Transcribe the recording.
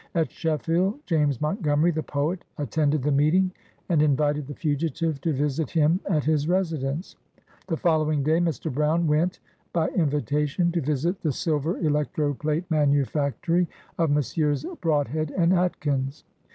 At Sheffield, James Montgomery, the poet, attended the meeting, and invited the fugitive to visit him at his residence. The following day, Mr. Brown went, by invitation, to visit the silver electro plate AN AMERICAN BONDMAN. 65 manufactory of Messrs. Broadhead and Atkins.